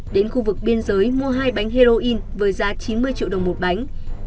đến khu vực biên giới mua hai bánh heroin với giá chín mươi triệu đồng một bánh